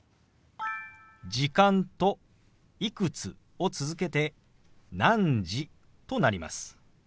「時間」と「いくつ」を続けて「何時」となります。